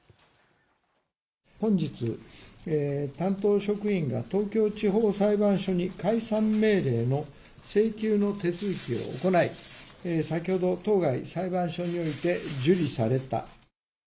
本日、担当職員が東京地方裁判所に解散命令の請求の手続きを行い、先ほど当該裁判所において受理された。